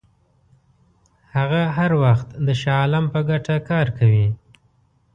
هغه هر وخت د شاه عالم په ګټه کار کوي.